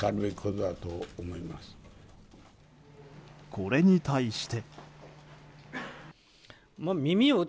これに対して。